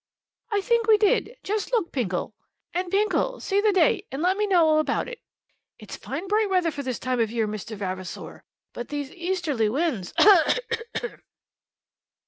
"I think we did. Just look Pinkle; and, Pinkle, see the date, and let me know all about it. It's fine bright weather for this time of year, Mr. Vavasor; but these easterly winds!